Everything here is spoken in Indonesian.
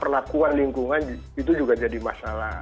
perlakuan lingkungan itu juga jadi masalah